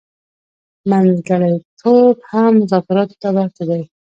منځګړتوب هم مذاکراتو ته ورته دی.